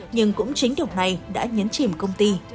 nhưng cũng chính điều này đã nhấn chìm công ty